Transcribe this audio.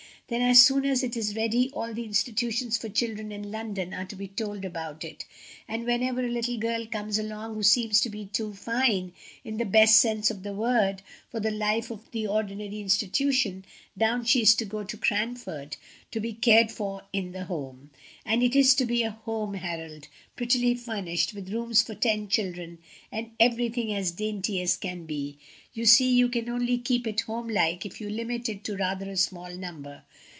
Then as soon as it is ready all the institutions for children in London are to be told about it, and whenever a little girl comes along who seems to be too fine, in the best sense of the word, for the life of the ordinary institution, down she is to go to Cranford, to be cared for in the Home; and it is to be a home, Harold, prettily furnished, with rooms for ten children, and everything as dainty as can be. You see, you can only keep it home like if you limit it to rather a small number.